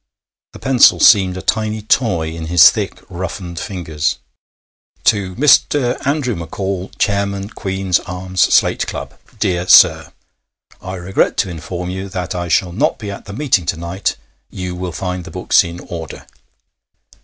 The pencil seemed a tiny toy in his thick roughened fingers: 'To Mr. Andrew McCall, Chairman Queen's Arms Slate Club. 'DEAR SIR, 'I regret to inform you that I shall not be at the meeting to night. You will find the books in order....'